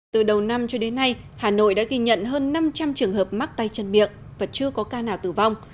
từ đầu năm cho đến nay hà nội đã ghi nhận hơn năm trăm linh trường hợp mắc tay chân miệng và chưa có ca nào tử vong